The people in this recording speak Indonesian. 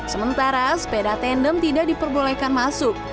sementara sepeda tandem tidak diperbolehkan masuk